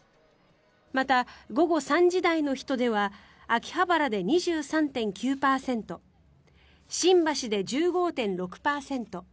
また、午後３時台の人出は秋葉原で２３．９％新橋で１５．６％